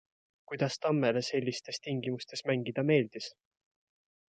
Kuidas Tammele sellistes tingimustes mängida meeldis?